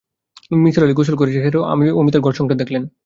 নিসার আলি গোসল সেরে ঘুরে-ঘুরে অমিতার ঘর-সংসার দেখলেন।